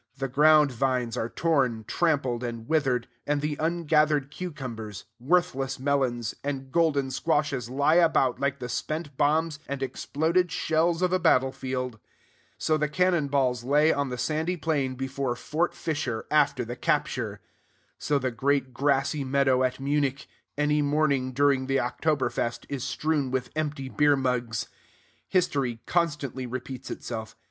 The ground vines are torn, trampled, and withered; and the ungathered cucumbers, worthless melons, and golden squashes lie about like the spent bombs and exploded shells of a battle field. So the cannon balls lay on the sandy plain before Fort Fisher after the capture. So the great grassy meadow at Munich, any morning during the October Fest, is strewn with empty beermugs. History constantly repeats itself.